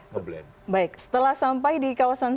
baik setelah sampai di kawasan